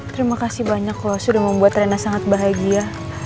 terima kasih banyak loh sudah membuat rena sangat bahagia